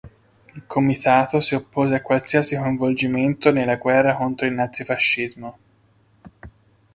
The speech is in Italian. Il comitato si oppose a qualsiasi coinvolgimento nella guerra contro il nazifascismo.